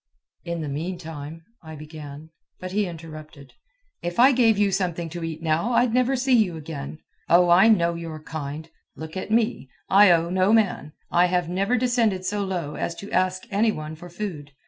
"In the meantime " I began; but he interrupted. "If I gave you something to eat now, I'd never see you again. Oh, I know your kind. Look at me. I owe no man. I have never descended so low as to ask any one for food.